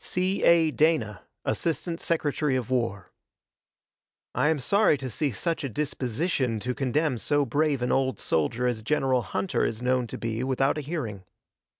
C. A. DANA, Assistant Secretary of War: I am sorry to see such a disposition to condemn so brave an old soldier as General Hunter is known to be without a hearing.